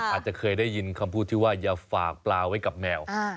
อาจจะเคยได้ยินคำพูดที่ว่าอย่าฝากปลาไว้กับแมว